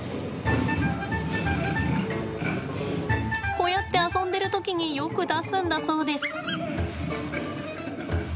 こうやって遊んでる時によく出すんだそうです。